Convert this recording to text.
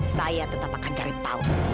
saya tetap akan cari tahu